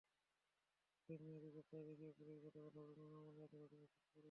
ফরিদ মিয়াকে গ্রেপ্তার দেখিয়ে পুলিশ গতকাল হবিগঞ্জ আমলি আদালতে হাজির করে।